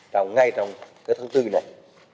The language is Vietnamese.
đó là ngay trong tháng bốn này